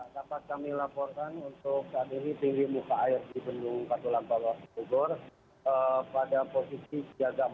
dapat kami laporkan untuk saat ini tinggi muka air di bendung katulampa